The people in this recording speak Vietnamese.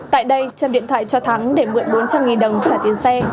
tại đây trâm điện thoại cho thắng để mượn bốn trăm linh đồng trả tiền xe